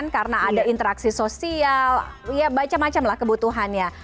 karena ada interaksi sosial ya macam macam lah kebutuhannya